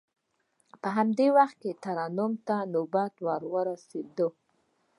په همدې وخت کې ترنم ته نوبت ورسید.